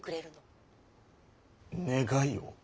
願いを？